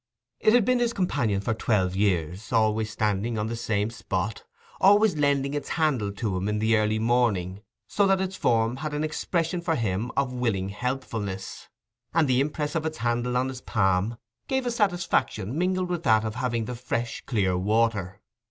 It had been his companion for twelve years, always standing on the same spot, always lending its handle to him in the early morning, so that its form had an expression for him of willing helpfulness, and the impress of its handle on his palm gave a satisfaction mingled with that of having the fresh clear water.